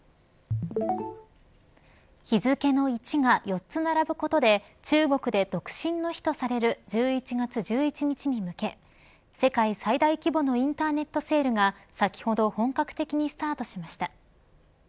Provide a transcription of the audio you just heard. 日付の１が４つ並ぶことで中国で独身の日とされる１１月１１日に向け世界最大規模のインターネットセールが先ほど本格的にスタートしました。